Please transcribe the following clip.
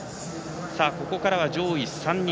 ここからは上位３人。